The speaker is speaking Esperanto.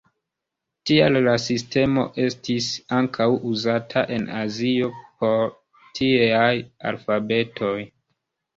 Tial la sistemo estis ankaŭ uzata en azio por tieaj alfabetoj.